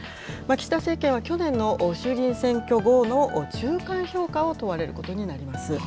岸田政権は去年の衆議院選挙後の中間評価を問われることになります。